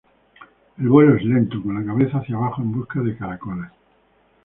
El vuelo es lento, con la cabeza hacia abajo en busca de caracoles.